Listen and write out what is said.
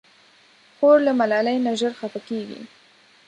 خور له ملالۍ نه ژر خفه کېږي.